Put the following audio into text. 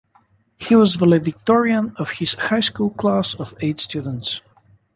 He was valedictorian of his high school class of eight students.